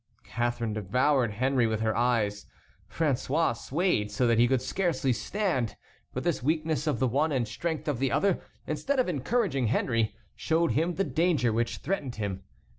Catharine devoured Henry with her eyes; François swayed so that he could scarcely stand; but this weakness of the one and strength of the other, instead of encouraging Henry, showed him the danger which threatened him.